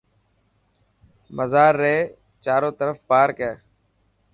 مزار ري چارو ترف پارڪ هي.